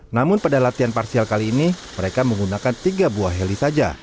namun pada latihan parsial kali ini mereka menggunakan tiga buah heli saja